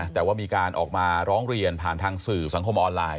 แต่ว่ามีการออกมาร้องเรียนผ่านทางสื่อสังคมออนไลน